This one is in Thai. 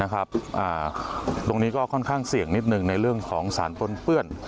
ตรงนี้ก็ค่อนข้างเสี่ยงนิดหนึ่งในเรื่องของสารปนเปื้อน